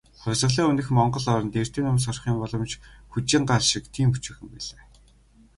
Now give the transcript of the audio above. Хувьсгалын өмнөх монгол оронд, эрдэм ном сурахын боломж "хүжийн гал" шиг тийм өчүүхэн байлаа.